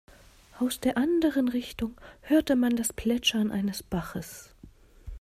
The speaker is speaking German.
Aus der anderen Richtung hörte man das Plätschern eines Baches.